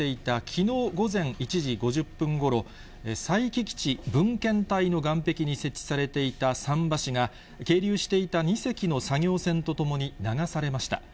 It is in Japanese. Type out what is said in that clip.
きのう午前１時５０分ごろ、佐伯基地分遣隊の岸壁に設置されていた桟橋が、係留していた２隻の作業船とともに流されました。